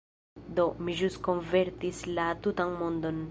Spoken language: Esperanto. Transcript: Do, mi ĵus konvertis la tutan mondon!